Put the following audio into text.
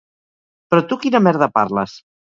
Però tu quina merda parles?